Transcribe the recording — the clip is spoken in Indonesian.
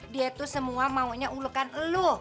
dia tuh semua maunya ulekan lu